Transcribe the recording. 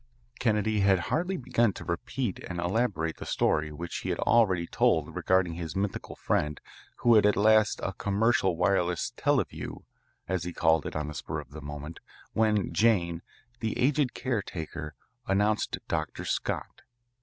Kennedy had hardly begun to repeat and elaborate the story which he had already told regarding his mythical friend who had at last a commercial wireless "televue," as he called it on the spur of the moment, when Jane, the aged caretaker, announced Dr. Scott.